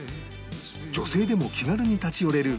女性でも気軽に立ち寄れる